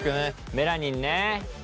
メラニンね。